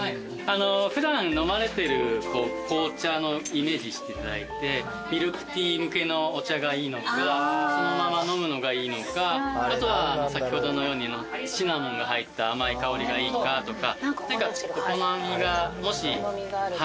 普段飲まれてる紅茶のイメージしていただいてミルクティー向けのお茶がいいのかそのまま飲むのがいいのかあとは先ほどのようにシナモンが入った甘い香りがいいかとか。